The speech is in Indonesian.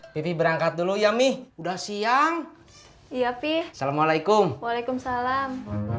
pipi berangkat dulu ya mih udah siang iya pih assalamualaikum waalaikumsalam